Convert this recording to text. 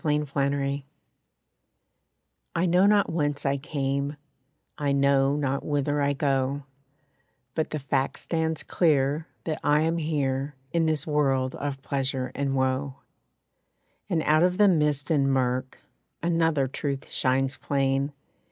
=I Am= I know not whence I came, I know not whither I go; But the fact stands clear that I am here In this world of pleasure and woe. And out of the mist and murk, Another truth shines plain.